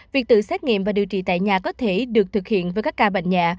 việc tự xét nghiệm và điều trị tại nhà có thể được thực hiện với các ca bệnh nhà